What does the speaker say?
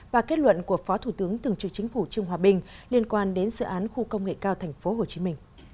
và kết luận của phó thủ tướng thường trực chính phủ trương hòa bình liên quan đến dự án khu công nghệ cao tp hcm